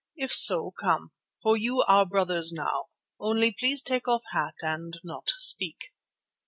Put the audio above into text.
If so, come, for you our brothers now, only please take off hat and not speak."